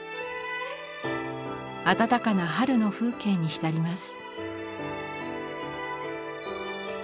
暖かな春の風景に浸ります。